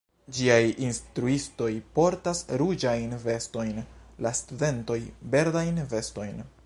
Ĝiaj instruistoj portas ruĝajn vestojn, la studentoj verdajn vestojn.